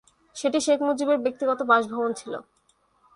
সেটি শেখ মুজিবের ব্যক্তিগত বাসভবন ছিল।